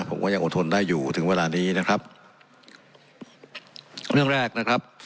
ผมก็ยังอดทนได้อยู่ถึงเวลานี้นะครับเรื่องแรกนะครับ